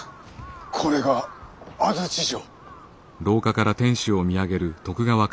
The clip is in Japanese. これが安土城。